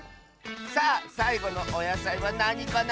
さあさいごのおやさいはなにかな？